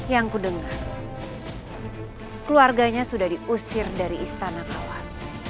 yang kudengar keluarganya sudah diusir dari istana kawan